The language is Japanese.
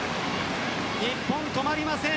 日本、止まりません。